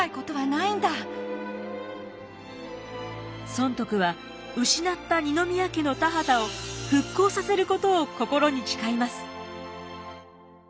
尊徳は失った二宮家の田畑を復興させることを心に誓います。